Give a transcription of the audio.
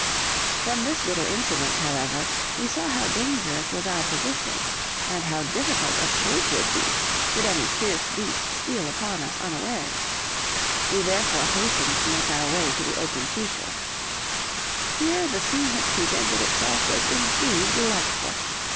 From this little incident, however, we saw how dangerous was our position, and how difficult escape would be should any fierce beast steal upon us unawares: we therefore hastened to make our way to the open seashore. Here the scene which presented itself was indeed delightful.